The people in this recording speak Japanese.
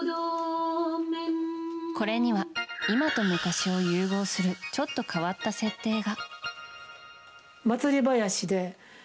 これには今と昔を融合するちょっと変わった設定が。